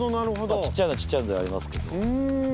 ちっちゃいのはちっちゃいのでありますけど。